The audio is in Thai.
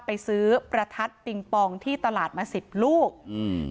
ไปซื้อประทัดปิงปองที่ตลาดมาสิบลูกอืม